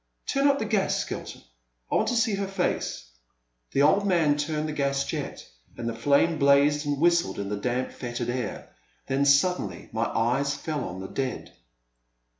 Turn up the gas, Skelton, I want to see her face." The old man turned the gas jet, and the flame blazed and whistled in the damp, fetid air. Then suddenly my eyes fell on the dead.